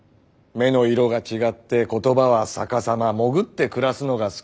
目の色が違って言葉は逆さま潜って暮らすのが好き。